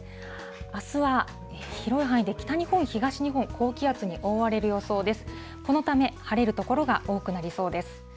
あすは広い範囲で北日本、東日本、高気圧に覆われる予想です。